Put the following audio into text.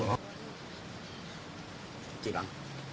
โอน